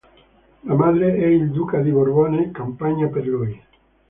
La madre e il duca di Borbone campagna per lui.